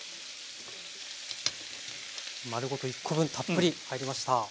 丸ごと１コ分たっぷり入りました。